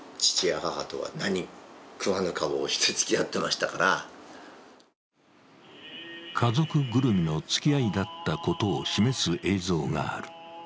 一方で家族ぐるみの付き合いだったことを示す映像がある。